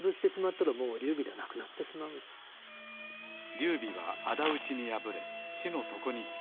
劉備はあだ討ちに敗れ死の床につきます。